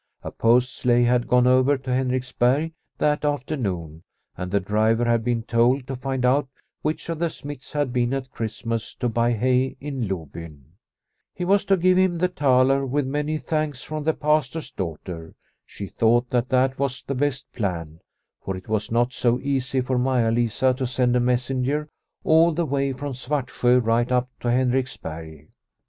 A post sleigh had gone over to Henriksberg that afternoon, and the driver had been told to find out which of the smiths had been at Christmas to buy hay in Lobyn. He was to give him the thaler with many 140 Liliecrona's Home thanks from the Pastor's daughter. She thought that that was the best plan, for it was not so easy for Mala Lisa to send a mes senger all the way from Svartsjo right up to Henriksberg.